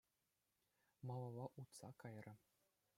Малалла утса кайрӗ.